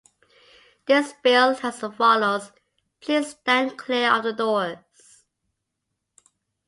This spiel is as follows: Please stand clear of the doors.